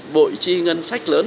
bội chi ngân sách lớn